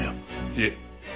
いえ。